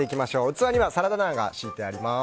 器にはサラダ菜が敷いてあります。